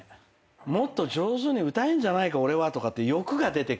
もっと上手に歌えんじゃないか俺はって欲が出てくるから。